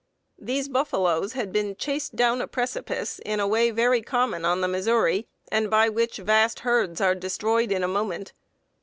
These buffaloes had been chased down a precipice in a way very common on the Missouri, and by which vast herds are destroyed in a moment.